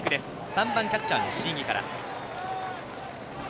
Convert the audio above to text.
３番キャッチャーの椎木から。